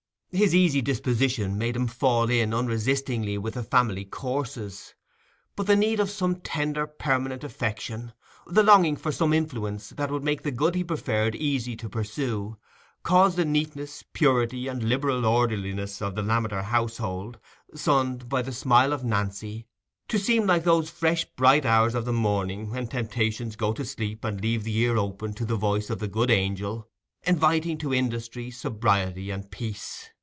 His easy disposition made him fall in unresistingly with the family courses, but the need of some tender permanent affection, the longing for some influence that would make the good he preferred easy to pursue, caused the neatness, purity, and liberal orderliness of the Lammeter household, sunned by the smile of Nancy, to seem like those fresh bright hours of the morning when temptations go to sleep and leave the ear open to the voice of the good angel, inviting to industry, sobriety, and peace.